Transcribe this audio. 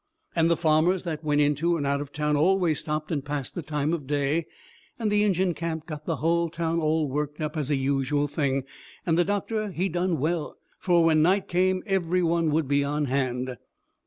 And the farmers that went into and out of town always stopped and passed the time of day, and the Injun camp got the hull town all worked up as a usual thing; and the doctor, he done well, fur when night come every one would be on hand.